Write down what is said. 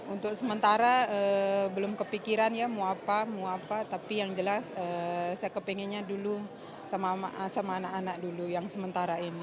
untuk sementara belum kepikiran ya mau apa mau apa tapi yang jelas saya kepengennya dulu sama anak anak dulu yang sementara ini